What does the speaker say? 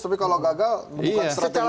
tapi kalau gagal